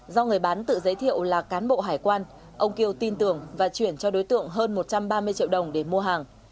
do người bán tự giới thiệu là cán bộ hải quan ông kêu tin tưởng và chuyển cho đối tượng hơn một trăm ba mươi triệu đồng để mua hàng